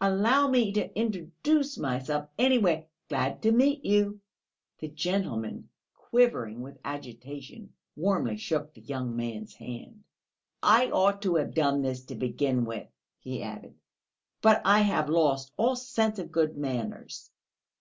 Allow me to introduce myself, anyway; glad to meet you!..." The gentleman, quivering with agitation, warmly shook the young man's hand. "I ought to have done this to begin with," he added, "but I have lost all sense of good manners."